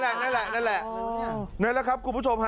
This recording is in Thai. นั่นแหละนั่นแหละนั่นแหละครับคุณผู้ชมฮะ